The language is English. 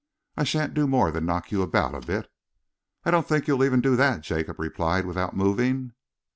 I shan't do more than knock you about a bit." "I don't think you'll even do that," Jacob replied, without moving.